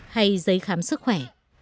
hay giấy khám sức khỏe